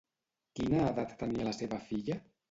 Quina edat tenia la seva filla?